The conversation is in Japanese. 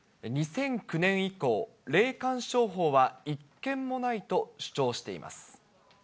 ２００９年以降、霊感商法は１件もないと主張しています。